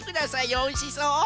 おいしそう！